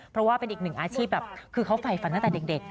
เพราะว่าเป็นอีกหนึ่งอาชีพแบบคือเขาไฟฟันตั้งแต่เด็ก